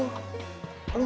badan nya gitu